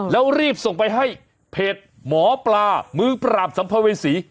แล้วรีบส่งไปให้เพจหมอปลามือปราบสัมภเวษี